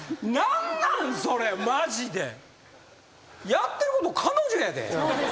やってること彼女やで。